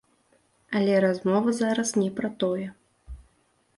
Але размова зараз не пра тое.